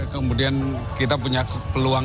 kemudian kita punya peluang